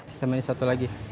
es temanis satu lagi